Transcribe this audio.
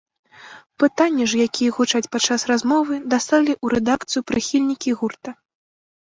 Пытанні ж, якія гучаць падчас размовы, даслалі ў рэдакцыю прыхільнікі гурта.